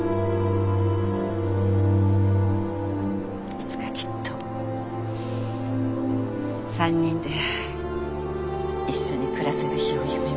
いつかきっと３人で一緒に暮らせる日を夢見て。